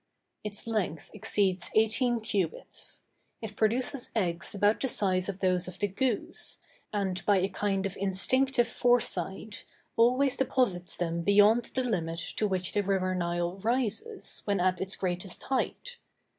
Its length exceeds eighteen cubits. It produces eggs about the size of those of the goose, and, by a kind of instinctive foresight, always deposits them beyond the limit to which the river Nile rises, when at its greatest height.